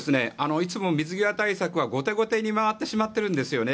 いつも水際対策が後手後手に回ってしまっているんですよね。